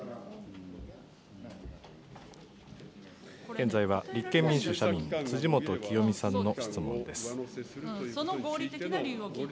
現在は立憲民主・社民、辻元清美さんの質問です。